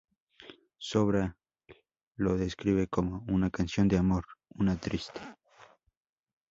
Sobral lo describe como "una canción de amor, una triste".